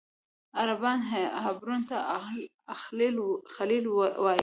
عربان حبرون ته الخلیل وایي.